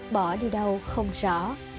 bỏ đi đâu không rõ